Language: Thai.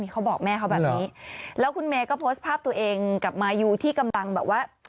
เขาบอกแม่เขาแบบนี้แล้วคุณเมย์ก็โพสต์ภาพตัวเองกับมายูที่กำลังแบบว่า